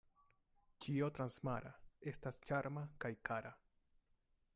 Ĉio transmara estas ĉarma kaj kara.